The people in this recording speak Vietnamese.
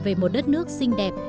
về một đất nước xinh đẹp